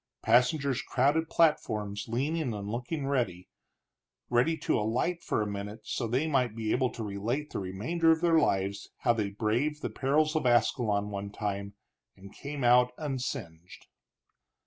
Passengers crowded platforms, leaning and looking, ready to alight for a minute, so they might be able to relate the remainder of their lives how they braved the perils of Ascalon one time and came out unsinged.